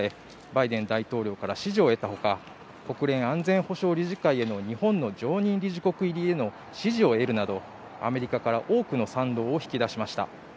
バイデン大統領から支持を得たほか国連安全保障理事会への日本の常任理事国入りへの支持を得るなどアメリカから多くの賛同を引き出しました。